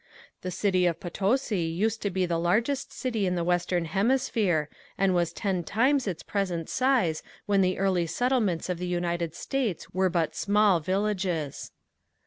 The city of Potosi used to be the largest city in the western hemisphere and was ten times its present size when the early settlements of the United States were but small villages.